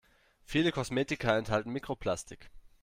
Viele Kosmetika enthalten Mikroplastik.